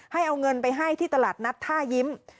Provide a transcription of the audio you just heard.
ให้เอาเงินไปให้ที่ตลาดนัดท่ายิ้ม